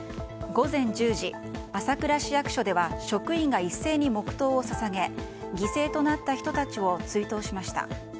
午前１０時、朝倉市役所では職員が一斉に黙祷を捧げ犠牲となった人たちを追悼しました。